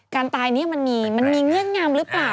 การตายนี้มันมีเงื่องงำรึเปล่า